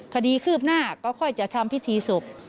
คดีคืบหน้าก็ค่อยจะทำพิธีศพ